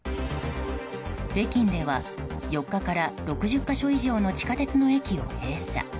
北京では４日から６０か所以上の地下鉄の駅を閉鎖。